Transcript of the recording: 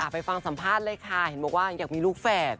ไปฟังสัมภาษณ์เลยค่ะเห็นบอกว่าอยากมีลูกแฝด